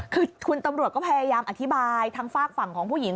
คือคุณตำรวจก็พยายามอธิบายทางฝากฝั่งของผู้หญิง